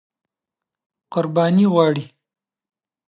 قرباني غواړي.